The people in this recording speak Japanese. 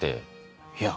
いや。